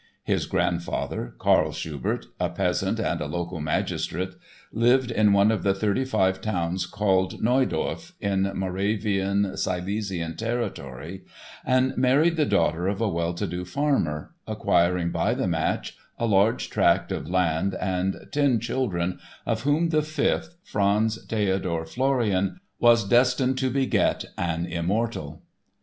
His grandfather, Karl Schubert, a peasant and a local magistrate, lived in one of the thirty five towns called Neudorf in Moravian Silesian territory and married the daughter of a well to do farmer, acquiring by the match a large tract of land and ten children of whom the fifth, Franz Theodor Florian, was destined to beget an immortal.